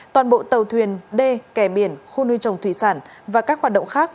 toàn bộ tàu thuyền đê kè biển khu nuôi trồng thủy sản và các hoạt động khác